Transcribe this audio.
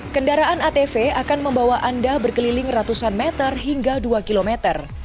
kendaraan atv akan membawa anda berkeliling ratusan meter hingga dua kilometer